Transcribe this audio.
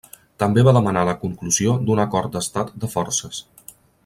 També va demanar la conclusió d'un Acord d'Estat de Forces.